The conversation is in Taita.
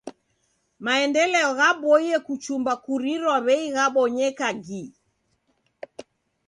Maendeleo ghaboie kuchumba kurirwa w'ei ghabonyeka gi.